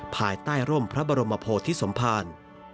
ภายใต้ร่มพระบรมโพธิสมภาร